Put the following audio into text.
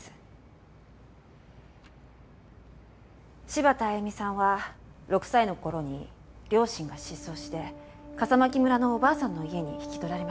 柴田亜弓さんは６歳の頃に両親が失踪して笠牧村のおばあさんの家に引き取られました。